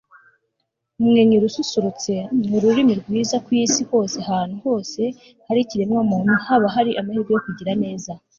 umwenyura ususurutse ni ururimi rwiza ku isi hoseahantu hose hari ikiremwa muntu, haba hari amahirwe yo kugira neza